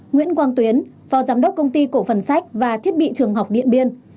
nguyễn quang tuyến phó giám đốc công ty cổ phần sách và thiết bị trường học điện biên